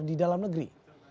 di dalam negeri